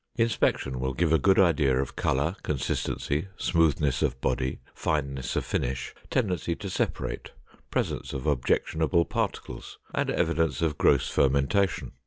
Inspection will give a good idea of color, consistency, smoothness of body, fineness of finish, tendency to separate, presence of objectionable particles, and evidence of gross fermentation.